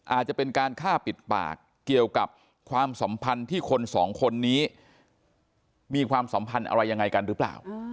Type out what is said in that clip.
อาจจะเป็นการฆ่าปิดปากเกี่ยวกับความสัมพันธ์ที่คนสองคนนี้มีความสัมพันธ์อะไรยังไงกันหรือเปล่า